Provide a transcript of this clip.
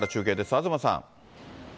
東さん。